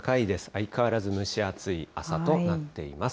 相変わらず、蒸し暑い朝となっています。